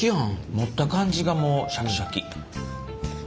持った感じがもうシャキシャキ。